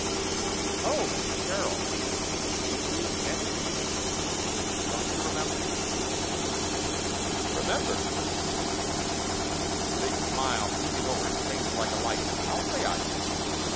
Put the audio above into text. "Oh, Mr. Sherrill!" I says. "It's you! And it's me ! Don't you remember ?" "Remember?" says he, a big smile sweeping over his face like a light. "I'll say I do!"